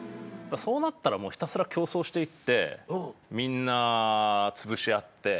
そうなったらひたすら競争していってみんなつぶし合って。